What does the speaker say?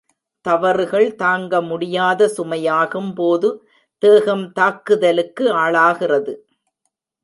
தவறுகள் தாங்க முடியாத சுமையாகும் போது தேகம் தாக்குதலுக்கு ஆளாகிறது.